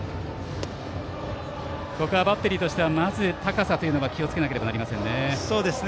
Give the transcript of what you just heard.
バッテリーとしては、まず高さは気をつけなければなりませんね。